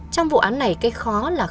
trong vụ án này cái khó là khó